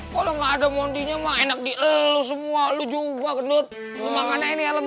kalau nggak ada mondinya mah enak di semua lu juga ketut makanya ini alam